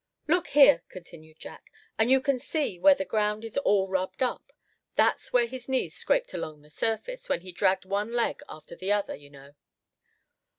"Look here," continued Jack, "and you can see where the ground is all rubbed up; that's where his knees scraped on the surface when he dragged one leg after the other, you know."